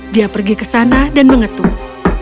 dia pergi ke sana dan mengetuk